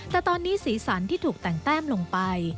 แต่ตอนนี้สีสันที่ถูกแต่งแต้มลงไป